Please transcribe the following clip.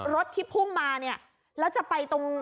รถที่พุ่งมาเนี่ยแล้วจะไปตรง